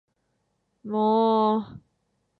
もーう